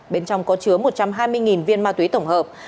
bên trong có chứa một trăm hai mươi viên ma túy tổng hợp